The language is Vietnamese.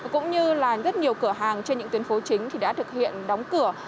cũng như là rất nhiều cửa hàng trên những tuyến phố chính thì đã thực hiện đóng cửa